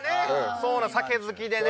そうなの酒好きでね。